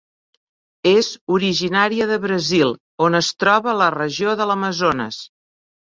És originària de Brasil, on es troba a la regió de l'Amazones.